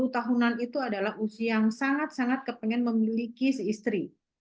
dua puluh tahunan itu adalah usia yang sangat sangat kepengen memiliki seistri